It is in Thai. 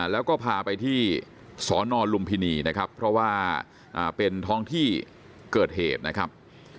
แล้วก็พาไปที่สนลุมพินีนะครับเพราะว่าเป็นท้องที่เกิดเหตุนะครับ